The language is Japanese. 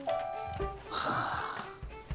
はあ。